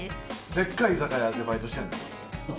でっかい居酒屋でバイトしてんの？